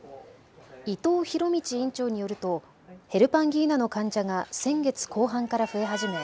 伊藤博道院長によるとヘルパンギーナの患者が先月後半から増え始め